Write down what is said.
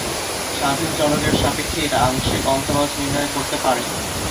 স্বাধীন চলকের সাপেক্ষে এটা আংশিক অন্তরজ নির্ণয় করতে পারে।